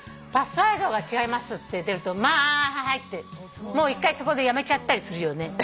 「パスワードが違います」って出るとはいはいってもう１回そこでやめちゃったりするよね。